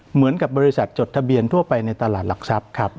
เหมือนกับบริษัทจดทะเบียนทั่วไปในตลาดหลักทรัพย์ครับ